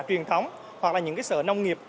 truyền thống hoặc là những sở nông nghiệp